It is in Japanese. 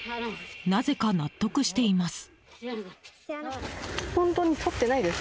なぜか納得しています。